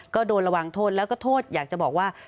ก็โดนระวังโทษแล้วก็โทษอยากจะบอกว่า